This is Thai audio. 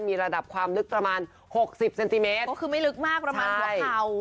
มีระดับความลึกประมาณหกสิบเซนติเมตรก็คือไม่ลึกมากประมาณหัวเข่า